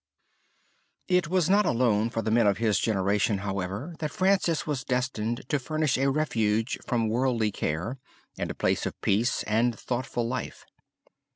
CLARE THREE FRANCISCANS (GIOTTO) It was not alone for the men of his generation, however, that Francis was destined to furnish a refuge from worldly care and a place of peace and thoughtful life.